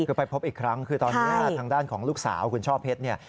คือไปพบอีกครั้งคือตอนนี้ทางด้านของลูกสาวคุณช่อเพชรเนี่ย